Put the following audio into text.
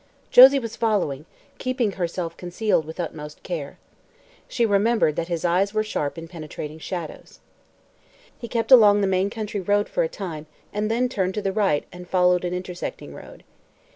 Josie was following, keeping herself concealed with utmost care. She remembered that his eyes were sharp in penetrating shadows. He kept along the main country road for a time and then turned to the right and followed an intersecting road.